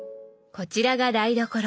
こちらが台所。